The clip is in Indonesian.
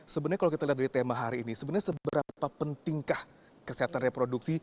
sebenarnya kalau kita lihat dari tema hari ini sebenarnya seberapa pentingkah kesehatan reproduksi